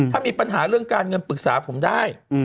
ถ้ามีปัญหาเรื่องการเงินปรึกษาผมได้